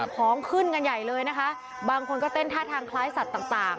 ของขึ้นกันใหญ่เลยนะคะบางคนก็เต้นท่าทางคล้ายสัตว์ต่าง